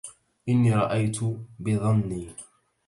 إني رأيت بظني